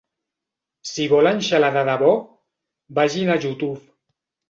Si volen xalar de debò, vagin a YouTube.